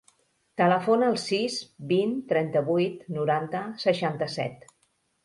Telefona al sis, vint, trenta-vuit, noranta, seixanta-set.